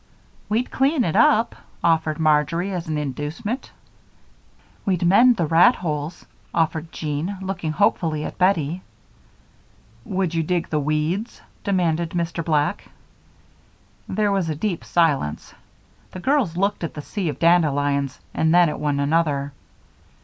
"We'd clean it up," offered Marjory, as an inducement. "We'd mend the rat holes," offered Jean, looking hopefully at Bettie. "Would you dig the weeds?" demanded Mr. Black. There was a deep silence. The girls looked at the sea of dandelions and then at one another.